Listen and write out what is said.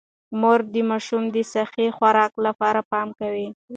مور د ماشومانو د صحي خوراک لپاره پام کوي